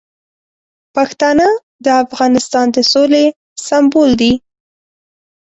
پښتانه د افغانستان د سولې سمبول دي.